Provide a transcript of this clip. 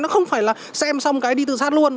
nó không phải là xem xong cái đi tư sát luôn